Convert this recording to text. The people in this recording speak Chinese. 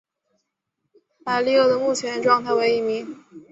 莱利鳄的目前状态为疑名。